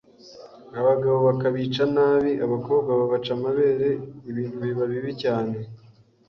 abagabo bakabica nabi, abakobwa babaca amabere ibintu biba bibi cyane